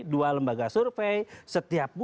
dua lembaga survei